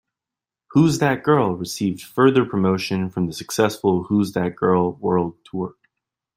"Who's That Girl" received further promotion from the successful Who's That Girl World Tour.